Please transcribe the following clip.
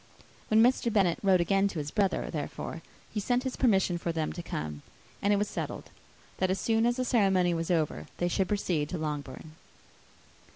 When Mr. Bennet wrote again to his brother, therefore, he sent his permission for them to come; and it was settled, that, as soon as the ceremony was over, they should proceed to Longbourn.